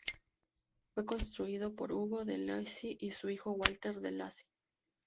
Fue construido por Hugo de Lacy y su hijo Walter de Lacy.